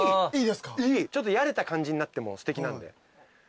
ちょっとやれた感じになってもすてきなんで。